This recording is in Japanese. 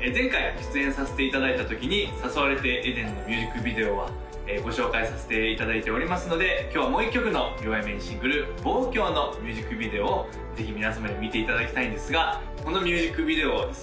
前回出演させていただいたときに「誘われてエデン」のミュージックビデオはご紹介させていただいておりますので今日はもう一曲の両Ａ面シングル「望郷」のミュージックビデオをぜひ皆様に見ていただきたいんですがこのミュージックビデオはですね